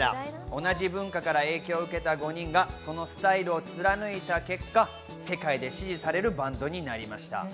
同じ文化から影響を受けた５人がそのスタイルを貫いた結果、世界で支持されるバンドになりました。